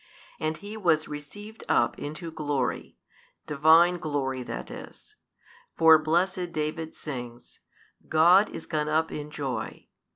And He was received up into glory, Divine glory that is; for blessed David sings, God is gone up in joy.